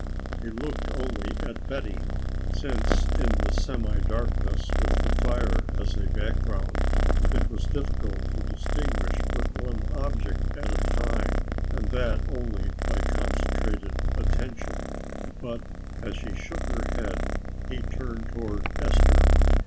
He looked only at Betty, since in the semi darkness with the fire as a background it was difficult to distinguish but one object at a time and that only by concentrated attention. But as she shook her head he turned toward Esther.